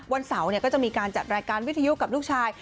วันเสาร์ก็จะมีการจัดรายการวิทยุกับลูกชาย